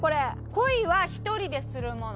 「恋は１人でするもの。